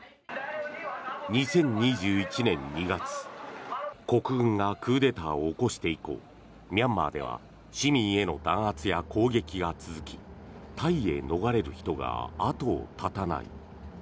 ２０２１年２月国軍がクーデターを起こして以降ミャンマーでは市民への弾圧や攻撃が続きタイへ逃れる人が後を絶たない。